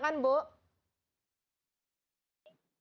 pak budi boleh saya tampilkan silakan silakan bu